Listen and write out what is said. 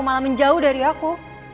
malah menjauh dari aku